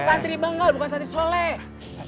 santri bengol bukan santri soleh